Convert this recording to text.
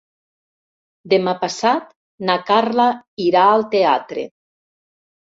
Demà passat na Carla irà al teatre.